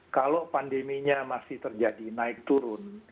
kalau pandeminya masih terjadi naik turun